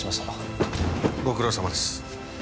ご苦労さまです。